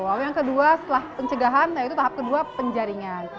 lalu yang kedua setelah pencegahan yaitu tahap kedua penjaringan